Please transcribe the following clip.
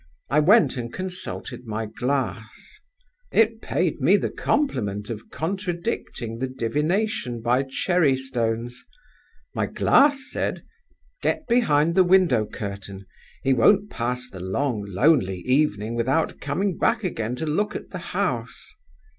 I went and consulted my glass. It paid me the compliment of contradicting the divination by cherry stones. My glass said: 'Get behind the window curtain; he won't pass the long lonely evening without coming back again to look at the house.